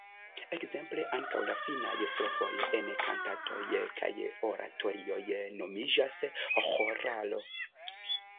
Ekzemple ankaŭ la finaj strofoj en kantatoj kaj oratorioj nomiĝas „ĥoralo“.